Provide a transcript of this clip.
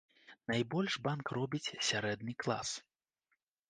Найбольш банк робіць сярэдні клас.